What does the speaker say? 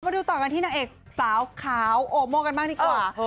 มาดูต่อกันที่นางเอกสาวขาวโอโม่กันบ้างดีกว่า